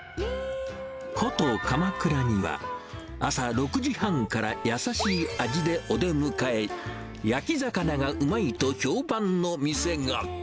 古都、鎌倉には、朝６時半から優しい味でお出迎え、焼き魚がうまいと評判の店が。